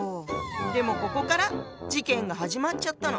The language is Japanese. でもここから事件が始まっちゃったの。